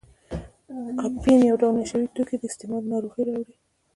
اپین یو ډول نشه یي توکي دي استعمال یې ناروغۍ راوړي.